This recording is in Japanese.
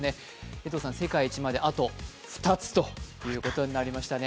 江藤さん、世界一まであと２つとなりましたね。